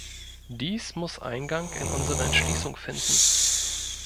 Dies muss Eingang in unsere Entschließung finden.